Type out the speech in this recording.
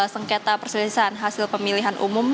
sengketa perselisihan hasil pemilihan umum